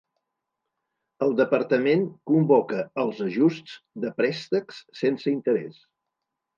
El departament convoca els ajusts de préstecs sense interès.